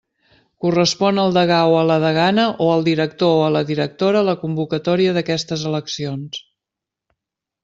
Correspon al degà o la degana o al director o la directora la convocatòria d'aquestes eleccions.